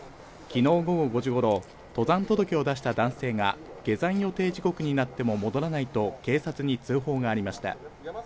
昨日午後５時頃、登山届を出した男性が下山予定時刻になっても戻らないと警察に通報がありました。